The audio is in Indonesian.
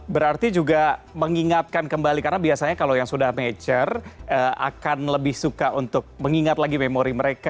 berarti juga mengingatkan kembali karena biasanya kalau yang sudah mature akan lebih suka untuk mengingat lagi memori mereka